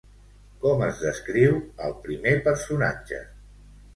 Com es descriu al primer personatge?